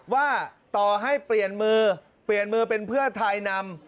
ว่าต่อให้เปลี่ยนมือเป็นเพื่อไทยนำ